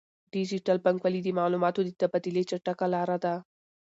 ډیجیټل بانکوالي د معلوماتو د تبادلې چټکه لاره ده.